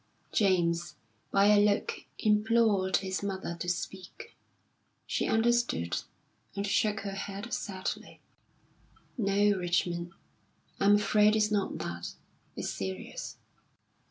James, by a look, implored his mother to speak. She understood, and shook her head sadly. "No, Richmond, I'm afraid it's not that. It's serious."